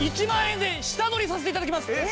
１万円で下取りさせて頂きます！